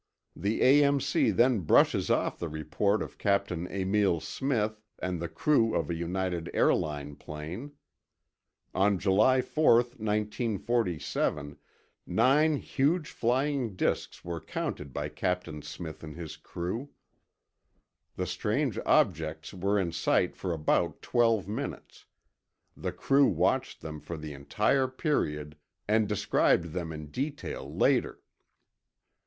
The A.M.C. then brushes off the report of Captain Emil Smith and the crew of a United Airline plane. On July 4, 1947, nine huge flying disks were counted by Captain Smith and his crew. The strange objects were in sight for about twelve minutes; the crew watched them for the entire period and described them in detail later.